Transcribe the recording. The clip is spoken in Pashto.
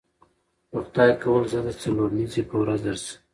که خدای کول زه د څلورنیځې په ورځ درسم.